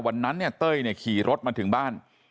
วันนั้นเนี่ยเต้ยเนี่ยขี่รถมาถึงบ้าน